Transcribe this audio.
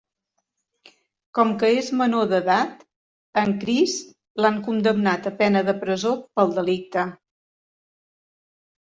Com que és menor d'edat, a en Chris l'han condemnat a pena de presó pel delicte.